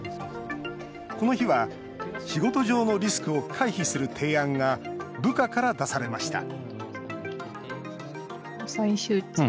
この日は仕事上のリスクを回避する提案が部下から出されました